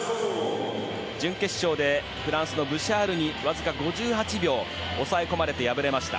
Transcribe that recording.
準決勝でフランスのブシャールにわずか５８秒抑え込まれて敗れました。